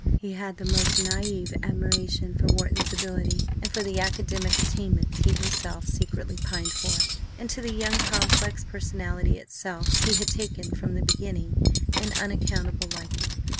He had the most naïve admiration for Wharton's ability, and for the academic attainments he himself secretly pined for; and to the young complex personality itself he had taken from the beginning an unaccountable liking.